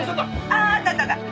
あああったあった。